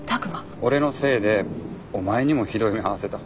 俺のせいでお前にもひどい目遭わせた。